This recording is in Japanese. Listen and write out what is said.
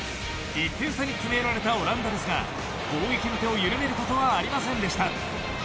１点差に詰め寄られたオランダですが攻撃の手を緩めることはありませんでした。